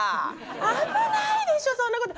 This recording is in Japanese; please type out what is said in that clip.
危ないでしょそんなこと。